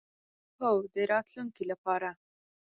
هو، د راتلونکی لپاره